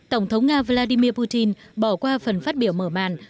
tổng thống nga vladimir putin bỏ qua phần phát biểu mở màn